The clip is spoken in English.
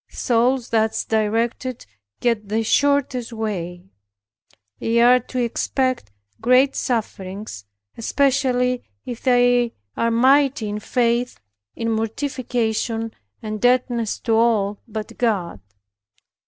Souls thus directed get the shortest way. They are to expect great sufferings, especially if they are mighty in faith, in mortification and deadness to all but God.